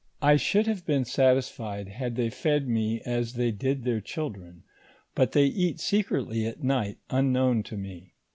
I should have been satisfied had they fed me as they did their children, but they eat secretly at night unknown to me.